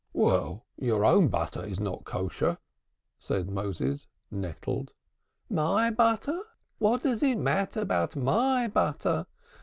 "Well, your own butter is not kosher," said Moses, nettled. "My butter? What does it matter about my butter?